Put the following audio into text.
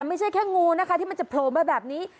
ไม่ใช่แค่งูนะคะที่มันจะโผล่มาแบบนี้